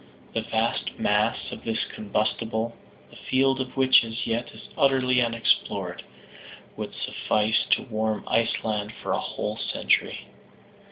The vast mass of this combustible, the field of which as yet is utterly unexplored, would suffice to warm Iceland for a whole century.